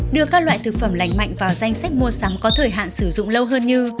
đưa các loại thực phẩm lành mạnh vào danh sách mua sắm có thời hạn sử dụng lâu hơn như